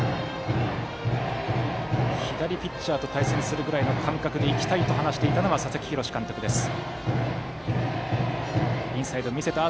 左ピッチャーと対戦するくらいの感覚でいきたいと話していたのは佐々木洋監督です。